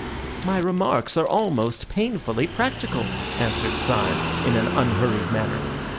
"My remarks are almost painfully practical," answered Syme, in an unhurried manner.